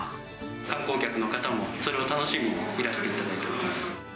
観光客の方もそれを楽しみに、いらしていただいてます。